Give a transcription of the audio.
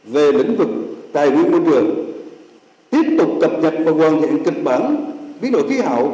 về lĩnh vực tài nguyên vô trường tiếp tục cập nhật và hoàn thiện kịch bản bí nội khí hậu